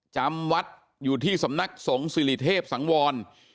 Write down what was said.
จำวัดอยู่ที่สำนักสงฆ์สิริเทพสังวร